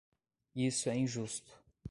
Isso é injusto.